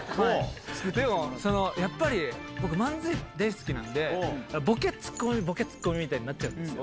やっぱり僕、漫才が大好きなんで、ボケ、ツッコミ、ボケ、ツッコミみたいになっちゃうんです。